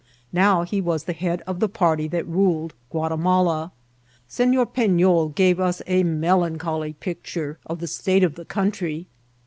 Now he was the head of the party that ruled Guatimala. Se« nor Penol gave us a melancholy picture of the state of the country.